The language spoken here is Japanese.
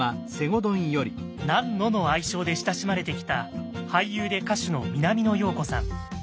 「ナンノ」の愛称で親しまれてきた俳優で歌手の南野陽子さん。